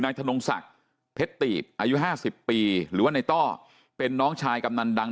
ธนงศักดิ์เพชรตีบอายุ๕๐ปีหรือว่าในต้อเป็นน้องชายกำนันดัง